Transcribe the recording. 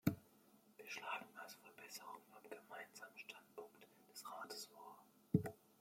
Wir schlagen also Verbesserungen am Gemeinsamen Standpunkt des Rates vor.